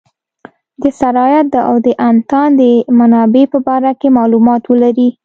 د سرایت او د انتان د منابع په باره کې معلومات ولري.